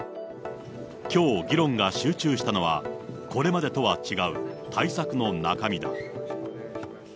きょう議論が集中したのは、これまでとは違う対策の中身だ。